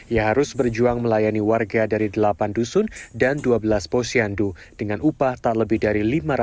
ia harus berjuang melayani warga dari delapan dusun dan dua belas posyandu dengan upah tak lebih dari lima ratus